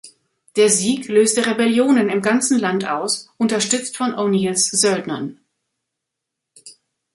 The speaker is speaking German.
Der Sieg löste Rebellionen im ganzen Land aus, unterstützt von O’Neills Söldnern.